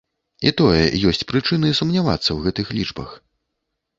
І тое, ёсць прычыны сумнявацца ў гэтых лічбах.